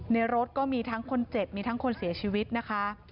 รถก็มีทั้งคนเจ็บมีทั้งคนเสียชีวิตนะคะ